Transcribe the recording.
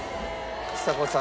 ちさ子さん